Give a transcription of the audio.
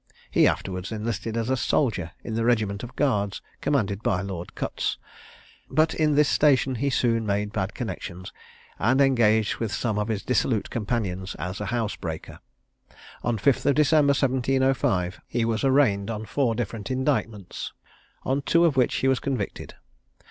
He afterwards enlisted as a soldier in the regiment of Guards commanded by Lord Cutts; but in this station he soon made bad connexions, and engaged with some of his dissolute companions as a housebreaker. On the 5th of December, 1705, he was arraigned on four different indictments, on two of which he was convicted.